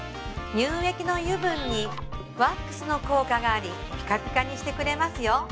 乳液の油分にワックスの効果がありピカピカにしてくれますよ